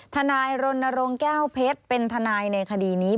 ทนายรณรงค์แก้วเพชรเป็นทนายในคดีนี้